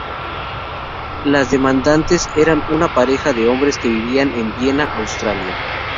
Los demandantes eran una pareja de hombres que vivían en Viena, Austria.